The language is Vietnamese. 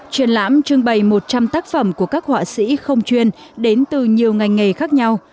triển lãm trưng bày một trăm linh tác phẩm của các họa sĩ không chuyên đến từ nhiều ngành nghề khác nhau